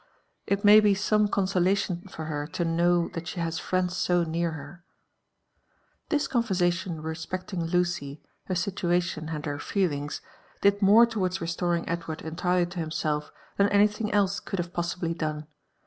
It may be some eooselation for her to know that she bai friends so near her/' • This conversation respecting Lucy, her situation, and her feelings, did more towards restoring Edward entirely to himself than anything else could have possibly done.